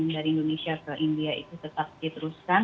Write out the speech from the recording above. dari indonesia ke india itu tetap diteruskan